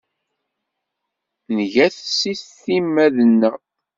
Nga-t s timmad-nneɣ.